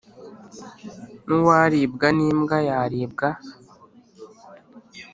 n'uwaribwa n'imbwa yaribwa